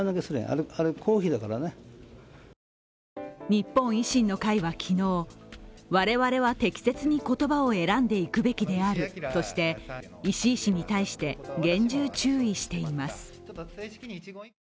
日本維新の会は昨日、我々は適切に言葉を選んでいくべきであるとして石井氏に対して厳重注意しています。